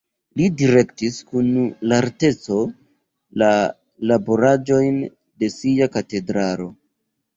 Li direktis kun lerteco la laboraĵojn de sia katedralo.